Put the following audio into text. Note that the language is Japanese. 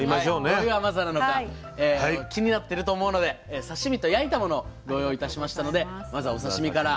どういう甘さなのか気になってると思うので刺身と焼いたものご用意いたしましたのでまずはお刺身から。